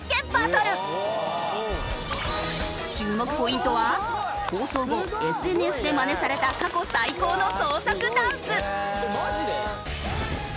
注目ポイントは放送後ＳＮＳでマネされた過去最高の創作ダンス。